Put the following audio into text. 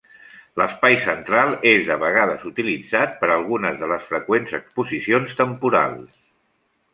L'espai central és de vegades utilitzat per algunes de les freqüents exposicions temporals.